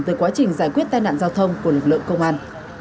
tới quá trình giải quyết tai nạn giao thông của lực lượng công an